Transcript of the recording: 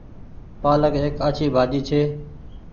پآلڪ ايڪ آڇي ڀآڃي ڇي۔